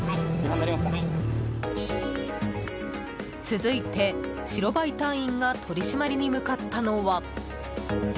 続いて、白バイ隊員が取り締まりに向かったのは。